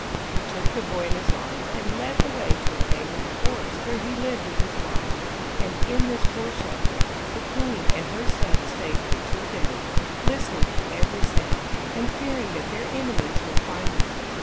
He took the boy in his arms, and led the way to a cave in the forest, where he lived with his wife. And in this poor shelter, the queen and her son stayed for two days, listening to every sound, and fearing that their enemies would find them.